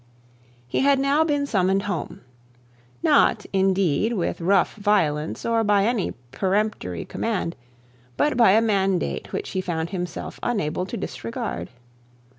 He had now been summoned home, not indeed, with rough violence, or by any peremptory command, but by a mandate which he found himself unable to disregard.